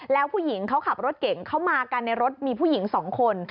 แล้วผู้หญิงเขาขับรถเก่งเข้ามากันในรถมีผู้หญิง๒คน